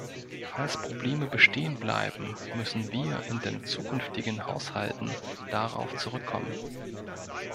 Falls Probleme bestehenbleiben, müssen wir in den zukünftigen Haushalten darauf zurückkommen.